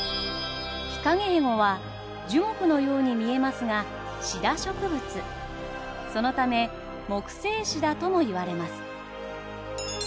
ヒカゲヘゴは樹木のように見えますがシダ植物そのため木生シダともいわれます。